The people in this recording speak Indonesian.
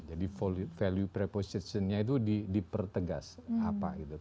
jadi value prepositionnya itu dipertegas apa gitu